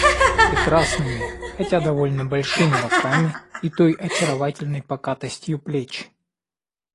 прекрасными, хотя довольно большими руками и той очаровательной покатостью плеч,